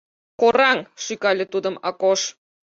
— Кораҥ! — шӱкале тудым Акош.